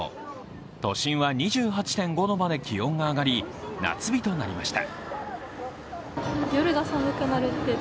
都心は２８．５度まで気温が上がり夏日となりました。